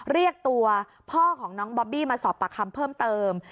เรียกตัวพ่อของน้องบอบบี้มาสอบปากคำเพิ่มเติม